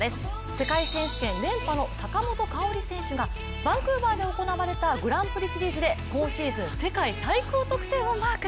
世界選手権連覇の坂本花織選手がバンクーバーで行われたグランプリシリーズで今シーズン世界最高得点をマーク。